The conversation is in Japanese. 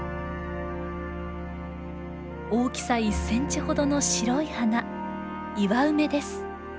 大きさ１センチほどの白い花